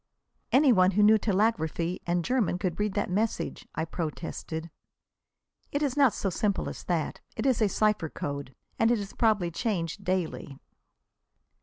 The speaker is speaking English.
"Any one who knew telegraphy and German could read that message," I protested. "It is not so simple as that. It is a cipher code, and is probably changed daily."